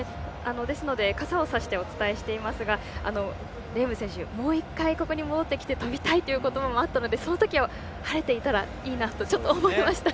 ですので、傘を差してお伝えしていますがレーム選手、もう１回ここに戻ってきて跳びたいということばもあったのでそのときは晴れていたらいいなと思いました。